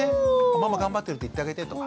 ママ頑張ってるって言ってあげてとか。